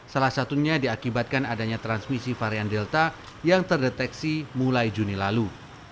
salah satunya diakibatkan adanya transmisi varian delta yang terdeteksi mulai juni lalu